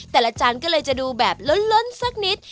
แต่ละจานก็เลยจะดูแบบล้นสักนิด